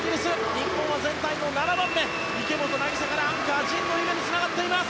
日本は全体の７番目池本凪沙からアンカーの神野ゆめにつながっています。